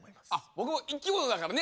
僕も生き物だからね